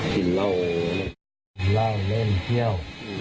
กินเหล้าเล่าเล่นเที่ยว